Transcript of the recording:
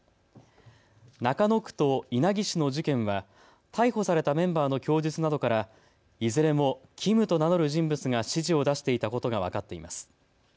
中野区と稲城市の事件は逮捕されたメンバーの供述などからいずれもキムと名乗る人物が指示を出していたことが分かっています。